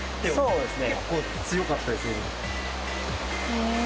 そうですね。